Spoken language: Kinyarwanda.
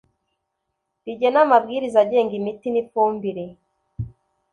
rigena amabwiriza agenga imiti n ifumbire